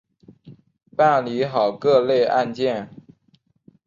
办理好各类案件